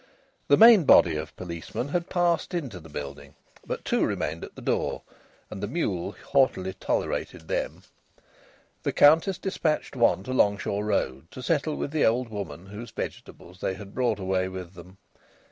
The main body of policemen had passed into the building, but two remained at the door, and the mule haughtily tolerated them. The Countess despatched one to Longshaw Road to settle with the old woman whose vegetables they had brought away with them.